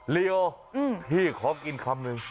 เรียวพี่ขอกินคำนึง